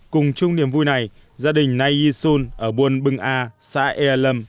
cùng chung niềm vui này gia đình nay yisun ở buôn bưng a xã ea lâm